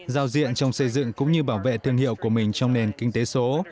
giao diện trong xây dựng cũng như bảo vệ thương hiệu của mình trong nền kinh tế số